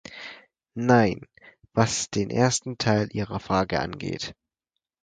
Nein, was den ersten Teil Ihrer Frage angeht.